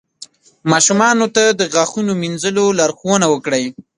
ماشومانو ته د غاښونو مینځلو لارښوونه وکړئ.